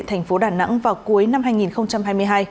thành phố đà nẵng vào cuối năm hai nghìn hai mươi hai